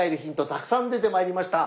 たくさん出てまいりました。